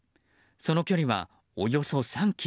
その距離はおよそ３ｋｍ。